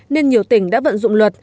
nên nhiều tỉnh đã vận dụng luật